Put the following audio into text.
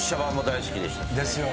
ですよね。